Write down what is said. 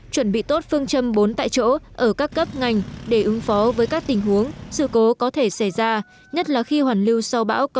chuẩn bị tốt phương châm bốn tại chỗ ở các cấp ngành để ứng phó với các tình huống sự cố có thể xảy ra nhất là khi hoàn lưu sau bão còn diễn biến hết sức phức tạp